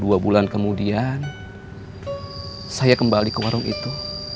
dua bulan kemudian saya kembali ke warung itu